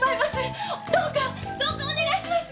どうかどうかお願いします！